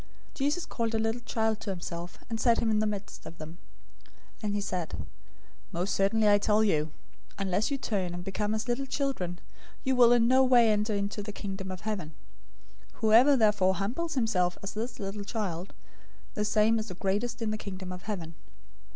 018:002 Jesus called a little child to himself, and set him in the midst of them, 018:003 and said, "Most certainly I tell you, unless you turn, and become as little children, you will in no way enter into the Kingdom of Heaven. 018:004 Whoever therefore humbles himself as this little child, the same is the greatest in the Kingdom of Heaven.